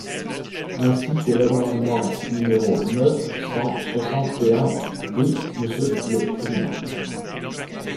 Ainsi que l’amendement numéro neuf cent soixante et un ? Oui, monsieur le président.